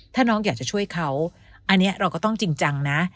ถ้าน้องอยากจะช่วยเขาอันนี้เราก็ต้องจริงจังนะ